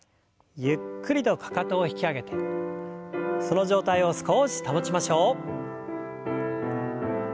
ゆっくりとかかとを引き上げてその状態を少し保ちましょう。